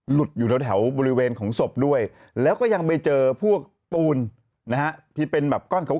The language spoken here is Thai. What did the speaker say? หลุดอยู่แถวบริเวณของศพด้วยแล้วก็ยังไปเจอพวกปูนนะฮะที่เป็นแบบก้อนขาว